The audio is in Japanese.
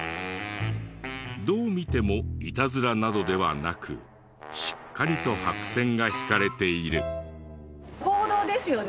どう見てもいたずらなどではなくしっかりと白線が引かれている。